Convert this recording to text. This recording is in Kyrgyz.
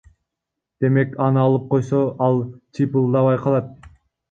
Демек аны алып койсо ал чыйпылдабай калат.